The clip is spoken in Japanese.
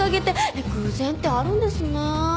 偶然ってあるんですねえ。